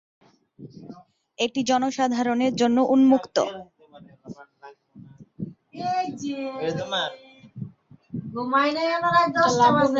এটি জনসাধারণের জন্য উন্মুক্ত।